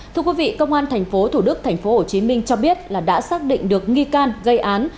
thưa quý vị công an tp thủ đức tp hcm cho biết là đã xác định được nghi can gây án